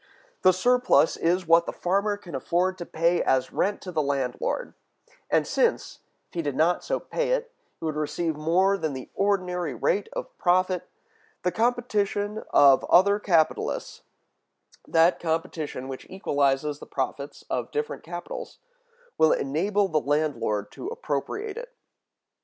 The surplus is what the farmer can afford to pay as rent to the landlord; and since, if he did not so pay it, he would receive more than the ordinary rate of profit, the competition of other capitalists, that competition which equalizes the profits of different capitals, will enable the landlord to appropriate it.